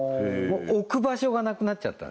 もう置く場所がなくなっちゃった